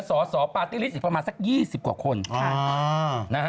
สอสอปาร์ตี้ลิสต์อีกประมาณสัก๒๐กว่าคน